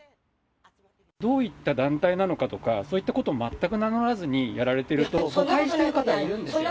どういった団体なのかとか、そういったことを全く名乗らずにやられてると、誤解している方がいるんですよ。